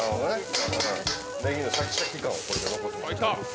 ネギのシャキシャキ感をこれで残す。